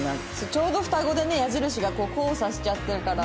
ちょうど双子でね矢印が交差しちゃってるから。